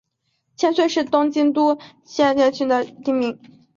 千岁是东京都墨田区的町名。